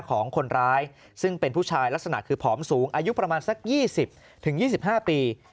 ของคนร้ายซึ่งเป็นผู้ชายลักษณะคือผอมสูงอายุประมาณสัก๒๐๒๕ปี